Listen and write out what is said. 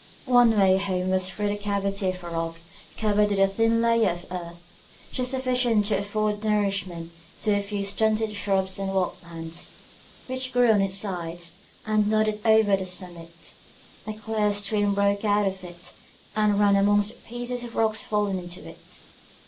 One way home was through the cavity of a rock covered with a thin layer of earth, just sufficient to afford nourishment to a few stunted shrubs and wild plants, which grew on its sides, and nodded over the summit. A clear stream broke out of it, and ran amongst the pieces of rocks fallen into it.